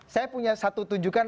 saya punya satu tunjukan